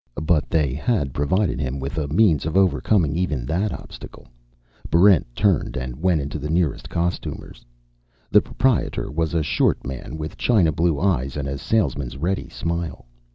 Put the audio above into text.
But they had provided him with a means of overcoming even that obstacle. Barrent turned and went into the nearest costumer's. The proprietor was a short man with china blue eyes and a salesman's ready smile.